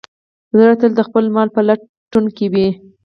زړه تل د خپل مل په لټون کې وي.